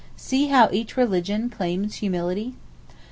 (See how each religion claims humility.)